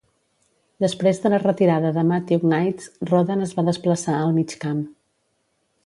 Després de la retirada de Matthew Knights, Rodan es va desplaçar al mig camp.